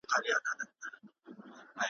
خوله خوله یمه خوږیږي مي د پښو هډونه ,